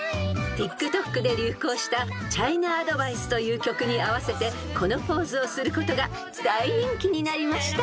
［ＴｉｋＴｏｋで流行した『チャイナアドバイス』という曲に合わせてこのポーズをすることが大人気になりました］